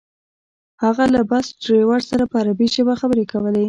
هغه له بس ډریور سره په عربي ژبه خبرې کولې.